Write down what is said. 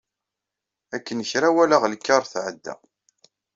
Akken kra, walaɣ lkar tɛedda.